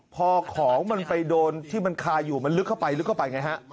พอของมันไปโดนที่มันคาอยู่มันลึกเข้าไปลึกเข้าไปไงฮะ